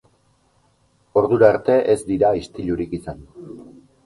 Ordura arte, ez dira istilurik izan.